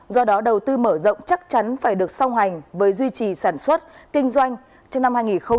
do đó đầu tư mở rộng chắc chắn phải được song hành với duy trì sản xuất kinh doanh trong năm hai nghìn hai mươi